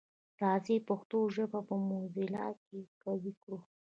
راځی پښتو ژبه په موزیلا کي قوي کړو.